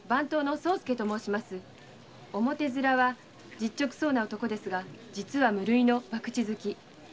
実直そうな男ですが実は無類のバクチ好き。